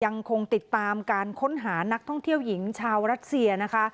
ยังคงติดตามการค้นหานักท่องเที่ยวหญิงชาวรัสเซียนะคะ